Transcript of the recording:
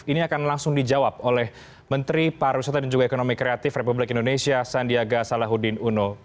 ini akan langsung dijawab oleh menteri pariwisata dan juga ekonomi kreatif republik indonesia sandiaga salahuddin uno